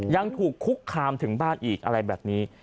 ยังถูกคุกคามถึงบ้านอีกอะไรแบบนี้